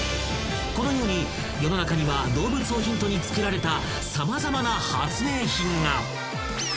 ［このように世の中には動物をヒントにつくられた様々な発明品が］